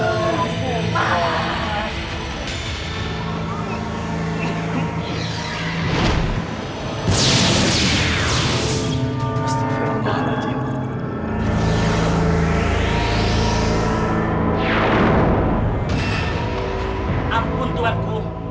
ampun tuhan ku